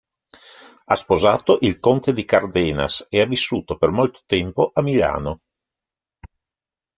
Ha sposato il Conte di Cardenas e ha vissuto per molto tempo a Milano.